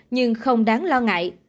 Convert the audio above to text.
nhưng không đáng lo ngại